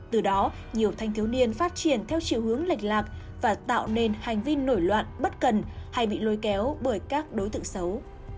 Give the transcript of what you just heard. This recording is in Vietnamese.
từ đó nhiều thanh thiếu niên phát triển theo chiều hướng lệch lạc và tạo nên hành vi nổi loạn bất cần hay bị lôi kéo bởi các đối tượng xấu